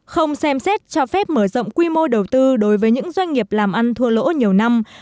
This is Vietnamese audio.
không xem xét cho phép mở rộng quy mô đầu tư đối với những doanh nghiệp làm ăn thua lỗ nhiều năm